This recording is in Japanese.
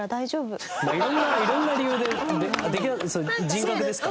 いろんな理由でそれ人格ですか？